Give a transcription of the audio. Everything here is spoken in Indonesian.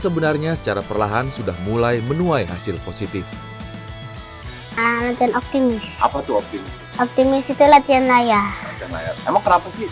sebenarnya secara perlahan sudah mulai menuai hasil positif dan optimis optimis itu latihan layar emang kenapa sih